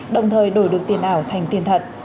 đồng thời đổi được tiền ảo thành tiền thật